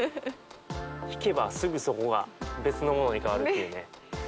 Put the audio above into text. ひけばすぐそこが別のものに変わるというね。